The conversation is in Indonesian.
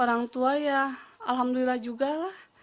orang tua ya alhamdulillah juga lah